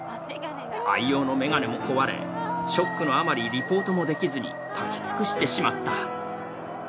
愛用の眼鏡も壊れ、ショックのあまりリポートもできずに立ち尽くしてしまった。